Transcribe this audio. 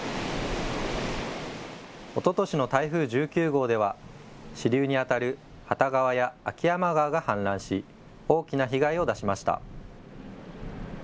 おととしの台風１９号では支流にあたる旗川や秋山川が氾濫し、大きな被害を出しました。